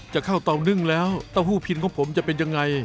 จะเข้าเตานึ่งแล้วเต้าหู้พินของผมจะเป็นยังไง